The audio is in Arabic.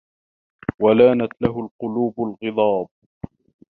وَلَانَتْ لَهُ الْقُلُوبُ الْغِضَابُ